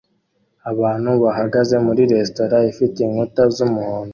Abantu bahagaze muri resitora ifite inkuta z'umuhondo